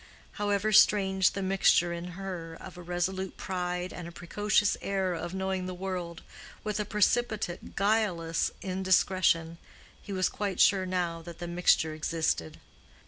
However strange the mixture in her of a resolute pride and a precocious air of knowing the world, with a precipitate, guileless indiscretion, he was quite sure now that the mixture existed.